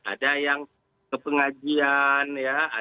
ada yang kepengajian ya